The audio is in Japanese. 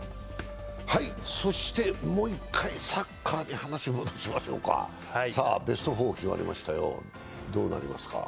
もう一回サッカーの話をもどしましょう、ベスト４決まりました、どうなりますか？